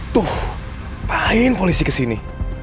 tuh ngapain polisi kesini